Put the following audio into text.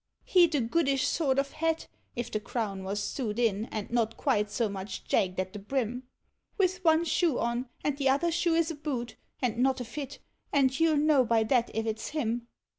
He 'd a goodish sort of hat, if the crown was sewed iu. and not quite so much jagged at the brim. With one shoe on, and the other shoe is a boot, and not a lit, and you Ml know by that if it's him.